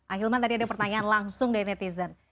ah hilman tadi ada pertanyaan langsung dari netizen